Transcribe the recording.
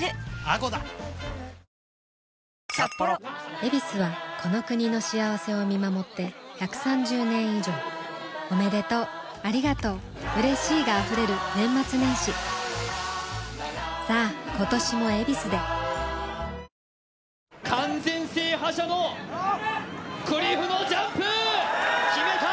「ヱビス」はこの国の幸せを見守って１３０年以上おめでとうありがとううれしいが溢れる年末年始さあ今年も「ヱビス」で完全制覇社のクリフのジャンプ、決めた。